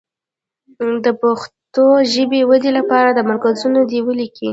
د پښتو ژبې ودې لپاره مرکزونه دې ولیکي.